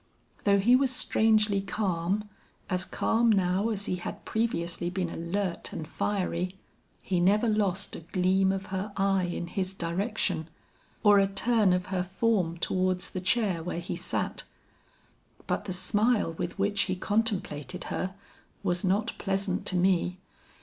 Though he was strangely calm, as calm now as he had previously been alert and fiery, he never lost a gleam of her eye in his direction, or a turn of her form towards the chair where he sat. But the smile with which he contemplated her was not pleasant to me.